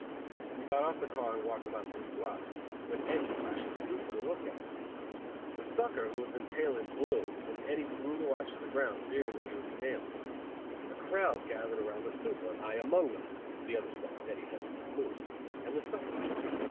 We got off the car and walked about three blocks, when Eddy flashed the super, to look at it. The sucker, who had been tailing, blew, and Eddy threw the watch to the ground, fearing that he would be nailed. A crowd gathered around the super, I among them, the other stall, Eddy having vamoosed, and the sucker.